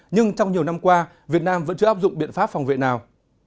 nhưng trong nhiều năm qua việt nam vẫn chưa áp dụng biện pháp phòng vệ nào